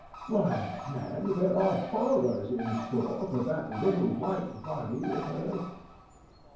Why, man, there are horrors in store for that little white body of hers!"